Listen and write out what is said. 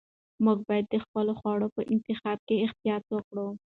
موږ باید د خپلو خوړو په انتخاب کې احتیاط وکړو.